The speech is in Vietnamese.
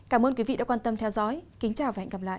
cảm ơn quý vị đã quan tâm theo dõi kính chào và hẹn gặp lại